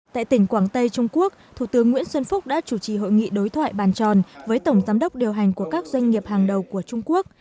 tại tỉnh quảng tây trung quốc thủ tướng nguyễn xuân phúc đã chủ trì hội nghị đối thoại bàn tròn với tổng giám đốc điều hành của các doanh nghiệp hàng đầu của trung quốc